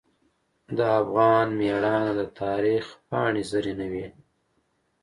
د افغان میړانه د تاریخ پاڼې زرینوي.